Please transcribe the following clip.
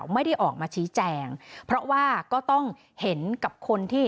ไม่ได้ออกมาชี้แจงเพราะว่าก็ต้องเห็นกับคนที่